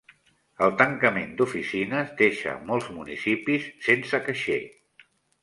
El tancament d'oficines deixa molts municipis sense caixer.